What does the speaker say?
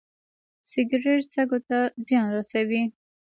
سګرټ سږو ته زیان رسوي